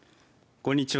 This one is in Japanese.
こんにちは。